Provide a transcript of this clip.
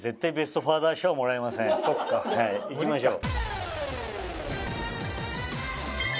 行きましょう。